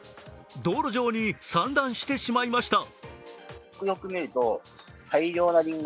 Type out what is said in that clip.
道路上に散乱してしまいました。